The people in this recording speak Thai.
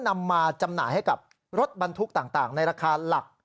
นำมาจำหน่ายให้กับรถบรรทุกต่างในราคาหลัก